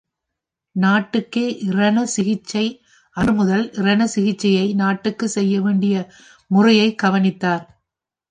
நாட்டுக்கே இரண சிகிச்சை அன்று முதல் இரண சிகிச்சையை நாட்டுக்குச் செய்யவேண்டிய முறையை கவனித்தார்.